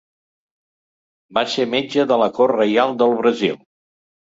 Va ser metge de la cort reial del Brasil.